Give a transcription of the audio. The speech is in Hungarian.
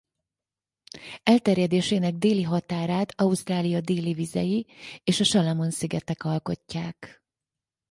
Elterjedésének déli határát Ausztrália déli vizei és a Salamon-szigetek alkotják.